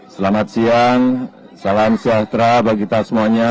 selamat siang salam sejahtera bagi kita semuanya